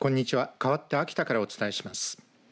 かわって秋田からお伝えします。